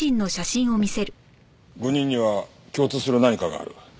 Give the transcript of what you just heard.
５人には共通する何かがある。